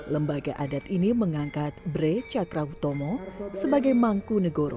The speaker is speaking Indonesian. lembaga adat ini mengangkat bre chakra utomo sebagai mangku negara ke sepuluh